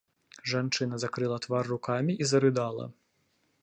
Жанчына закрыла твар рукамі і зарыдала.